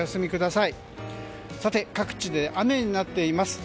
さて、各地で雨になっています。